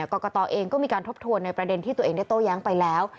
กรกตเองก็มีการทบทวนในประเด็นที่ตัวเองได้โต้แย้งไปแล้ว